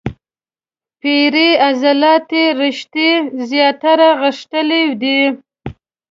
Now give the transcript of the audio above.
پېړې عضلاتي رشتې زیاتره غښتلي دي.